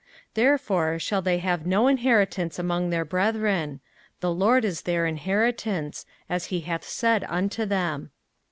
05:018:002 Therefore shall they have no inheritance among their brethren: the LORD is their inheritance, as he hath said unto them.